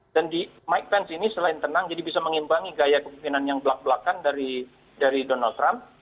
dan mike pence ini selain tenang jadi bisa mengimbangi gaya kemungkinan yang belak belakan dari donald trump